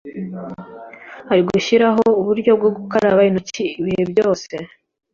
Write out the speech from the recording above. ari ugushyiraho uburyo bwo gukaraba intoki ibihe byose